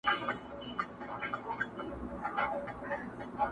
کمی نه وو د طلا د جواهرو!.